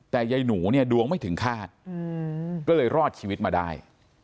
แต่ยายหนูเนี่ยดวงไม่ถึงคาดก็เลยรอดชีวิตมาได้